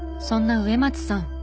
そんな植松さん